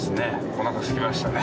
おなかすきましたね。